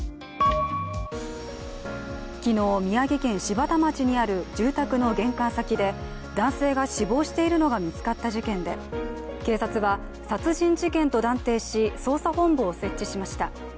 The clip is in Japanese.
昨日、宮城県柴田町にある住宅の玄関先で男性が死亡しているのが見つかった事件で警察は殺人事件と断定し捜査本部を設置しました。